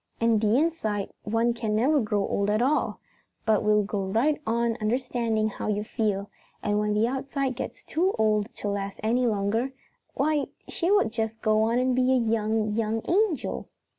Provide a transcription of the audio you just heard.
And the inside one can never grow old at all, but will go right on understanding how you feel, and when the outside gets too old to last any longer, why, she will just go and be a young, young angel."